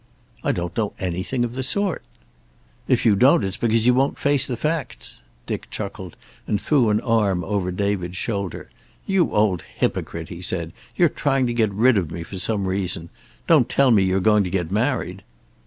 "I don't know anything of the sort." "If you don't, it's because you won't face the facts." Dick chuckled, and threw an arm over David's shoulder, "You old hypocrite!" he said. "You're trying to get rid of me, for some reason. Don't tell me you're going to get married!"